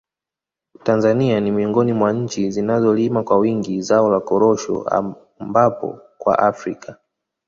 Tanzania ni miongoni mwa nchi zinazolima kwa wingi zao la korosho ambapo kwa Afrika